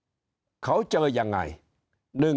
ตัวเลขการแพร่กระจายในต่างจังหวัดมีอัตราที่สูงขึ้น